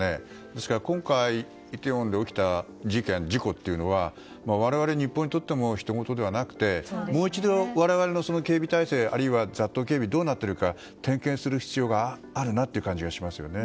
ですから、今回イテウォンで起きた事故というのは我々、日本にとってもひとごとではなくてもう一度、我々の警備態勢あるいは雑踏警備はどうなっているか点検する必要がある感じがしますね。